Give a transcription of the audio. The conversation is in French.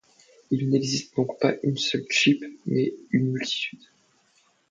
Il n'existe donc pas un seul tchip, mais une multitude.